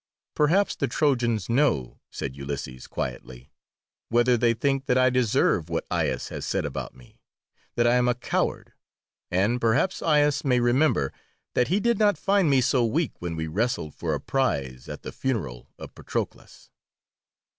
"Perhaps the Trojans know," said Ulysses quietly, "whether they think that I deserve what Aias has said about me, that I am a coward; and perhaps Aias may remember that he did not find me so weak when we wrestled for a prize at the funeral of Patroclus."